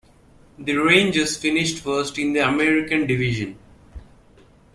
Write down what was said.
The Rangers finished first in the American Division.